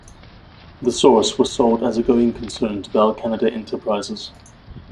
"The Source" was sold as a going concern to Bell Canada Enterprises.